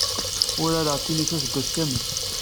Urareɣ tinis aseggas kamel.